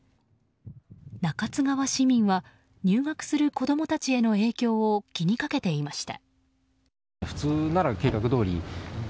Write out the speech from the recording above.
中津川市民は入学する子供たちへの影響を気にかけていました。